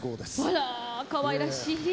あらかわいらしい。